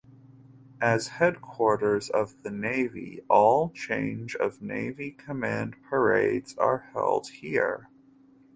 As headquarters of the Navy all change of Navy command parades are held here.